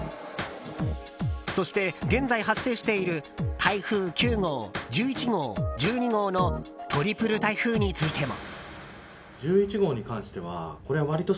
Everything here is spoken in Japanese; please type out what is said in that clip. そして、現在発生している台風９号、１１号、１２号のトリプル台風についても。